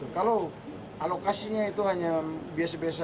kalau alokasinya itu hanya biasa biasa